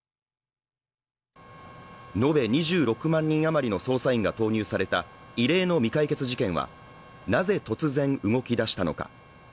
延べ２６万人余りの捜査員が投入された異例の未解決事件はなぜ突然、動き出したのか。